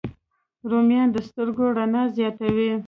رومیان د سترګو رڼا زیاتوي